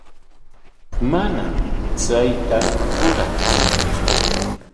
Manam chayta ruranchiktsu.